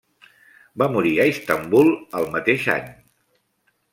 Va morir a Istanbul el mateix any.